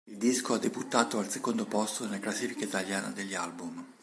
Il disco ha debuttato al secondo posto nella classifica italiana degli album.